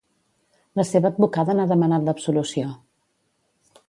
La seva advocada n’han demanat l’absolució.